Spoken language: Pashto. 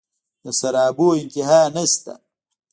د سرابونو انتها نشته